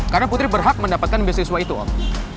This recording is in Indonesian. karena putri berhak mendapatkan bisniswa itu om